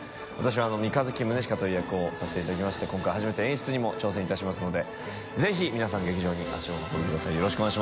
笋三日月宗近という役をさせていただきまして２初めて演出にも挑戦いたしますので爾匈Г気劇場に足を運んでください。